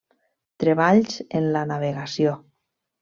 Treballs en la navegació.